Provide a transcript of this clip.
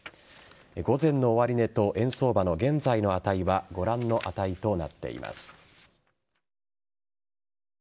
午前の終値と円相場の現在の値はご覧の値となっています。